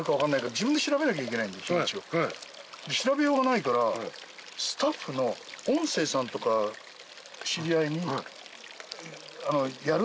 調べようがないからスタッフの音声さんとか知り合いにやる？